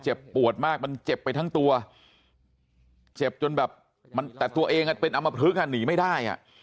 ปวดมากมันเจ็บไปทั้งตัวเจ็บจนแบบมันแต่ตัวเองเป็นอำมพลึกอ่ะหนีไม่ได้อ่ะ